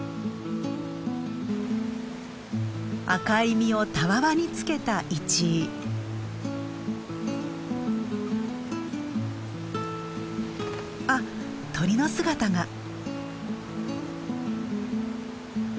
赤い実をたわわにつけたあっ鳥の姿が。